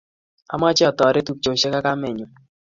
Amoche atoret tupchoshe ak kamenyu